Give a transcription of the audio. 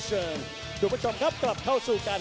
โปรดติดตามต่อไป